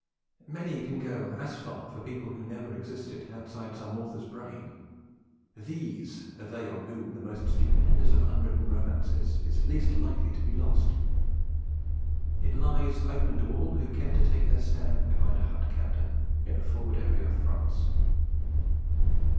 Many can go as far for people who never existed outside some author's brain; these are they on whom the most stupendous of unwritten romances is least likely to be lost. It lies open to all who care to take their stand behind a hut counter in a forward area in France.